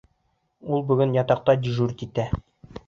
Ул бөгөн ятаҡта дежурить итә.